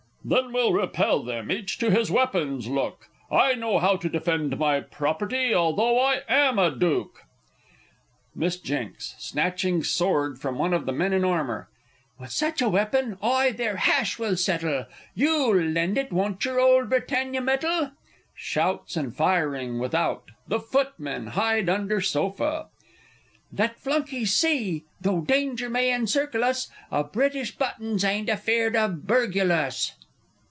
_ Then we'll repel them each to his weapons look! I know how to defend my property, although I am a Dook! Miss J. (snatching sword from one of the men in armour). With such a weapon I their hash will settle! You'll lend it, won't yer, old Britannia Metal? [Shouts and firing without; the Footmen hide under sofa. Let flunkeys flee though danger may encircle us, A British Buttons ain't afeard of Burgulars!